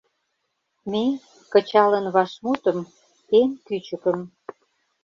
Ме, кычалын вашмутым, эн кӱчыкым